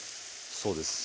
そうです。